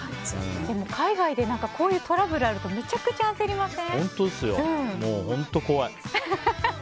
海外でこういうトラブルあるとめちゃくちゃ焦りません？